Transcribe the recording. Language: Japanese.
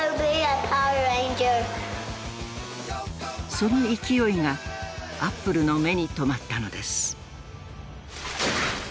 その勢いがアップルの目に留まったのです。